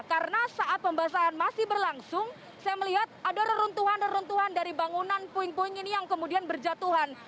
karena saat pembahasan masih berlangsung saya melihat ada reruntuhan reruntuhan dari bangunan puing puing ini yang kemudian berjatuhan